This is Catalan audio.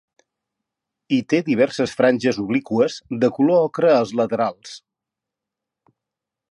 Hi té diverses franges obliqües de color ocre als laterals.